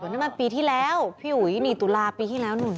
นี่มันปีที่แล้วพี่อุ๋ยนี่ตุลาปีที่แล้วนู่น